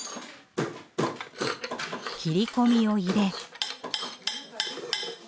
切り込みを入れ。